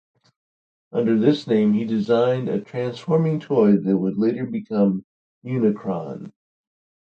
Under this name he designed a transforming toy that would later become Unicron.